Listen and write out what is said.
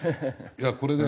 これね